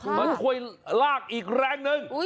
เหมือนควรลากอีกแรงนึง